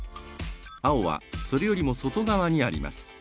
青はそれよりも外側にあります。